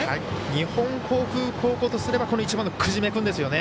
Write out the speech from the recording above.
日本航空高校としたら１番の久次米君ですよね。